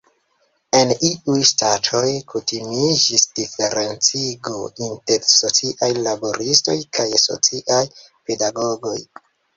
En iuj ŝtatoj kutimiĝis diferencigo inter "sociaj laboristoj" kaj "sociaj pedagogoj".